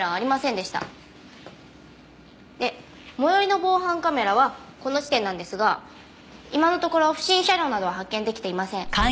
で最寄りの防犯カメラはこの地点なんですが今のところ不審車両などは発見出来ていません。